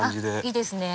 いいですね。